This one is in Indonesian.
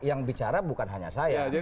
yang bicara bukan hanya saya